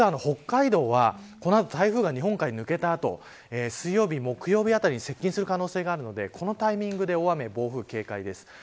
実は北海道はこの後台風が日本海に抜けた後水曜日、木曜日あたり接近する可能性があるのでこのタイミングで大雨や暴風に警戒です。